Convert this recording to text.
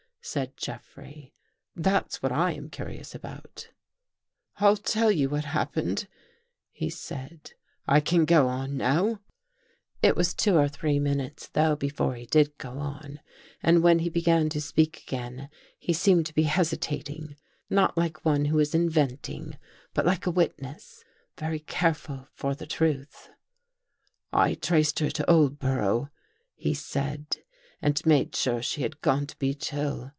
said Jeffrey. " That's what I am curious about." " I'll tell you what happened," he said. " I can go on now." It was two or three minutes, though, before he did go on and when he began to speak again, he seemed to be hesitating — not like one who is in venting, but like a witness, very careful for the truth. 244 THE THIRD CONFESSION " I traced her to Oldborough," he said, " and made sure she had gone to Beech Hill.